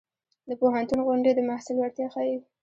د پوهنتون غونډې د محصل وړتیا ښيي.